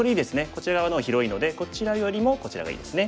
こちら側の方が広いのでこちらよりもこちらがいいですね。